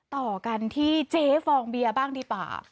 ต่อกันที่เจ๊ฟองเบียบ้างดีกว่า